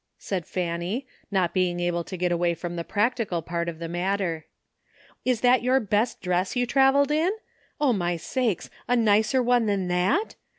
said Fanny, not being able to get away from the practical part of the matter. "Is that your best dress you traveled in? O, my sakes ! a nicer one than that